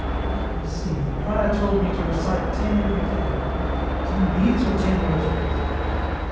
" Let me see, the prior told me to recite ten every day — ten beads or ten rosaries